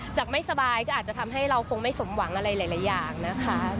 ไม่สบายก็อาจจะทำให้เราคงไม่สมหวังอะไรหลายอย่างนะคะ